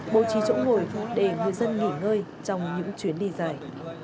bố trí chỗ ngồi để người dân nghỉ ngơi trong những chuyến đi dài